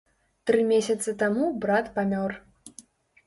Тры месяцы таму брат памёр.